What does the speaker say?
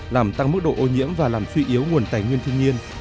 làm tăng mức độ ô nhiễm và làm suy yếu nguồn tài nguyên thiên nhiên